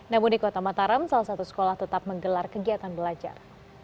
namun di kota mataram salah satu sekolah tetap menggelar kegiatan belajar